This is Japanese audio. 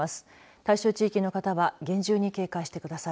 対象地域の方は厳重に警戒してください。